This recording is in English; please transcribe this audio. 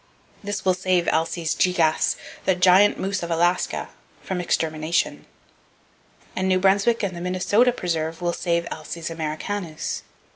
This will save Alces gigas, the giant moose of Alaska, from extermination; and New Brunswick and the Minnesota preserve will save Alces americanus.